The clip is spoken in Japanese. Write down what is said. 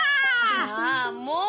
ああもう！